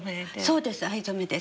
そうです藍染めです。